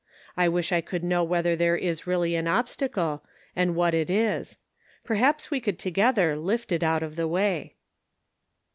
I wish I could know whether there is really an obstacle, and what it is. Perhaps we could together lift it out of the way."